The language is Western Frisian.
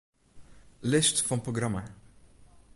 List fan programma.